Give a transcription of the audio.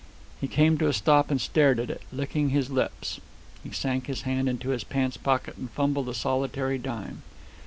He came to a stop and stared at it, licking his lips. He sank his hand into his pants pocket and fumbled a solitary dime.